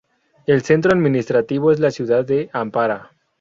El centro administrativo es la ciudad de Ampara.